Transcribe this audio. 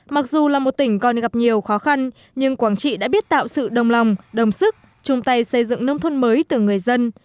mặc dù là một tỉnh còn gặp nhiều khó khăn nhưng quảng trị đã biết tạo sự đồng lòng đồng sức chung tay xây dựng nông thôn mới từ người dân